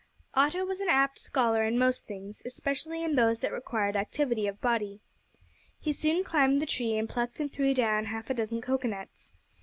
Otto was an apt scholar in most things, especially in those that required activity of body. He soon climbed the tree, and plucked and threw down half a dozen cocoa nuts.